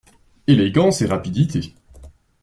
Élégance et rapidité